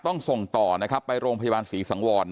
ต้องส่งต่อนะครับไปโรงพยาบาลศรีสังวร